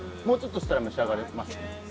もうちょっとしたら蒸し上がります。